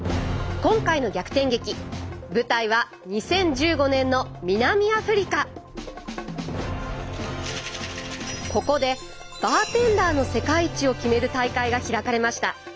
今回の逆転劇舞台はここでバーテンダーの世界一を決める大会が開かれました。